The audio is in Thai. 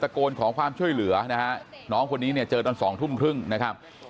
โกนขอความช่วยเหลือนะฮะน้องคนนี้เนี่ยเจอตอนสองทุ่มครึ่งนะครับ